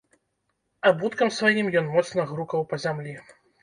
Абуткам сваім ён моцна грукаў па зямлі.